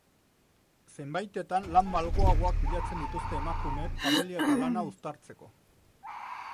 Zenbaitetan lan malguagoak bilatzen dituzte emakumeek familia eta lana uztartzeko.